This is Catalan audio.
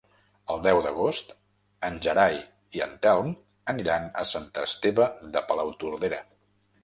El deu d'agost en Gerai i en Telm aniran a Sant Esteve de Palautordera.